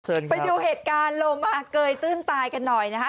ไปดูเหตุการณ์โลมาเกยตื้นตายกันหน่อยนะคะ